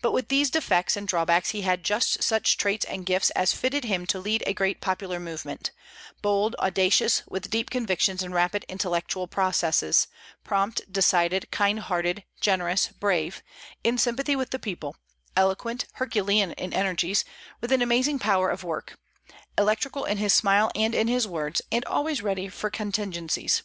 But with these defects and drawbacks he had just such traits and gifts as fitted him to lead a great popular movement, bold, audacious, with deep convictions and rapid intellectual processes; prompt, decided, kind hearted, generous, brave; in sympathy with the people, eloquent, Herculean in energies, with an amazing power of work; electrical in his smile and in his words, and always ready for contingencies.